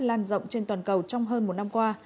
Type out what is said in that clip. lan rộng trên toàn cầu trong hơn một năm qua